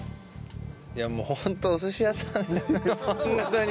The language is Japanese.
いやもうホントお寿司屋さんホントに。